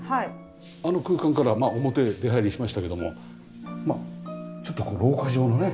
あの空間から表へ出入りしましたけどもまあちょっと廊下状のね